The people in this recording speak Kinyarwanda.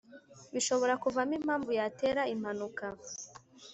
bishobora kuvamo impamvu yatera impanuka